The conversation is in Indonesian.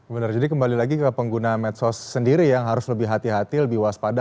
benar jadi kembali lagi ke pengguna medsos sendiri yang harus lebih hati hati lebih waspada